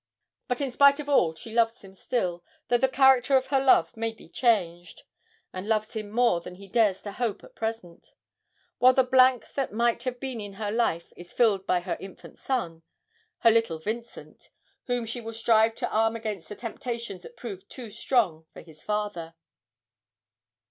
But in spite of all she loves him still, though the character of her love may be changed; and loves him more than he dares to hope at present; while the blank that might have been in her life is filled by her infant son, her little Vincent, whom she will strive to arm against the temptations that proved too strong for his father.